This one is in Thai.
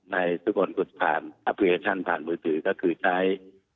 ในทุกคนผ่านภารกรณ์มือผีก็คือใช้